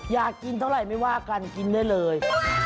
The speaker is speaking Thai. อยากกินเท่าไหร่ไม่ว่ากันกินได้เลย